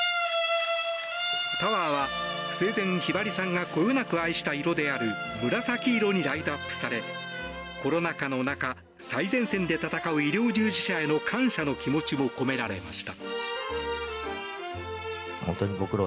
タワーは生前ひばりさんがこよなく愛した色である紫色にライトアップされコロナ禍の中最前線で闘う医療従事者への感謝の気持ちも込められました。